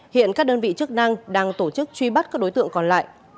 hiện các đơn vị chức năng đang tổ chức truy bắt các đối tượng còn lại